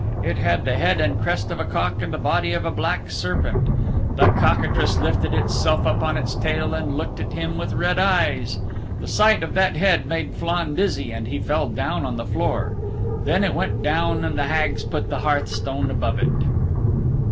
It had the head and crest of a cock and the body of a black serpent. The cockatrice lifted itself up on its tail and looked at him with red eyes. The sight of that head made Flann dizzy and he fell down on the floor. Then it went down and the Hags put the hearthstone above it.